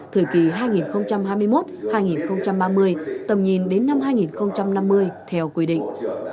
thời kỳ hai nghìn hai mươi một hai nghìn ba mươi tầm nhìn đến năm hai nghìn năm mươi theo quy định